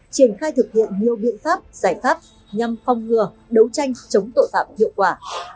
triển khai thực hiện nhiều biện pháp giải pháp nhằm phong ngừa đấu tranh chống tội phạm hiệu quả